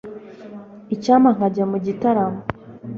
icyampa nkajya mu gitaramo